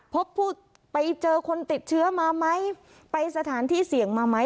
ไปเจอคนติดเชื้อมาไหมไปสถานที่เสี่ยงมาไหม